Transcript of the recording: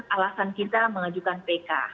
alasan kita mengajukan pk